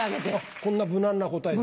こんな無難な答えで？